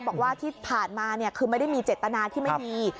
บอกว่าที่ผ่านมาคือไม่ได้มีเจตนาที่ไม่ดี